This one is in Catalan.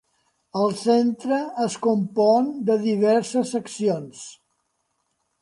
El Centre es compon de diverses seccions.